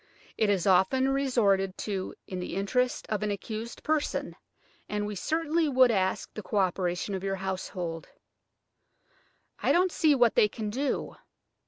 "It is often resorted to in the interests of an accused person, and we certainly would ask the co operation of your household." "I don't see what they can do."